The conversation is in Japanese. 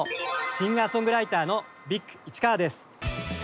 シンガーソングライターのＢｉｇ市川です！